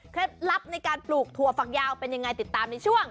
ลับในการปลูกถั่วฝักยาวเป็นยังไงติดตามในช่วง